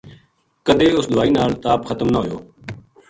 کدے اس دوائی نال تاپ ختم نہ ہویو